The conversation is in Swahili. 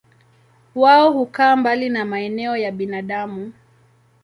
Wao hukaa mbali na maeneo ya binadamu.